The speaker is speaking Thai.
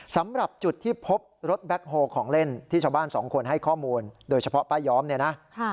สำหรับจุดที่พบรถแบ็คโฮลของเล่นที่ชาวบ้านสองคนให้ข้อมูลโดยเฉพาะป้าย้อมเนี่ยนะ